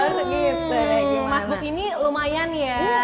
mas book ini lumayan ya